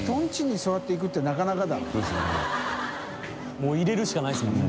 もう入れるしかないですもんね。